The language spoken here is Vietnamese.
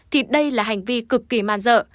thì đây là hành vi cực kỳ man dợ